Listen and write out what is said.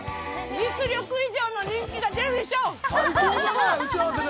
実力以上の人気が出るでしょう。